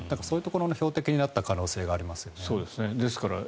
そういうところの標的になった可能性がありますね。